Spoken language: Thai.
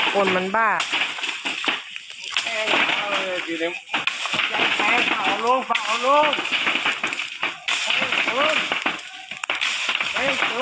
คนมันบ้าครับคนมันบ้า